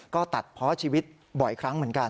ก็ตัดเพราะชีวิตบ่อยครั้งเหมือนกัน